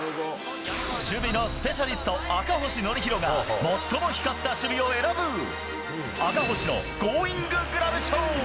守備のスペシャリスト、赤星憲広が、最も光った守備を選ぶ、赤星のゴーインググラブ賞。